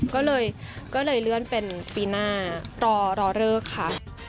ก็เลยเลื่อนเป็นปีหน้ารอเลิกค่ะ